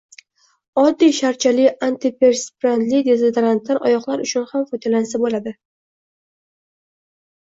Oddiy sharchali antiperspirantli-dezodorantdan oyoqlar uchun ham foydalansa bo‘ladi